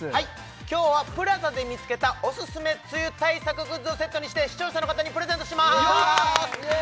今日はＰＬＡＺＡで見つけたオススメ梅雨対策グッズをセットにして視聴者の方にプレゼントします